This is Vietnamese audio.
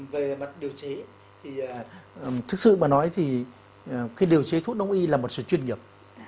về mặt điều chế thì thực sự mà nói thì cái điều chế thuốc đông y là một sự chuyên nghiệp